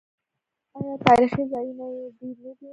آیا تاریخي ځایونه یې ډیر نه دي؟